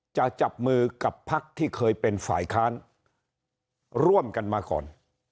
จะจับมือกับพักที่เคยเป็นฝ่ายค้านร่วมกันมาก่อน